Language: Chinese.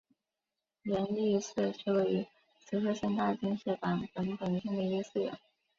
延历寺是位于滋贺县大津市坂本本町的一个寺院。